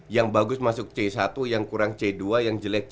yang bagus masuk c satu yang kurang c dua yang jelek c